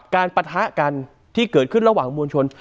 ปะทะกันที่เกิดขึ้นระหว่างมวลชน